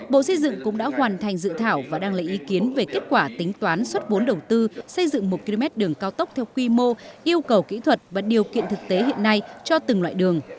bộ xây dựng cũng đã hoàn thành dự thảo và đăng lấy ý kiến về kết quả tính toán xuất vốn đầu tư xây dựng một km đường cao tốc theo quy mô yêu cầu kỹ thuật và điều kiện thực tế hiện nay cho từng loại đường